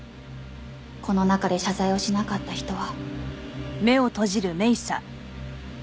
この中で謝罪をしなかった人は。